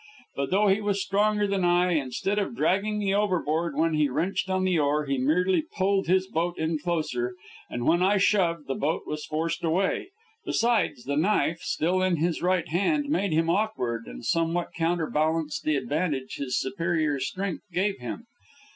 But though he was stronger than I, instead of dragging me overboard when he wrenched on the oar, he merely pulled his boat in closer; and when I shoved, the boat was forced away. Besides, the knife, still in his right hand, made him awkward and somewhat counterbalanced the advantage his superior strength gave him.